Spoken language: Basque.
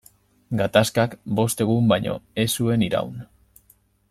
Gatazkak bost egun baino ez zuen iraun.